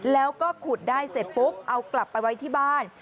แล้วก็ขุดได้เสร็จปุ๊บเอากลับไปไว้ที่บ้าน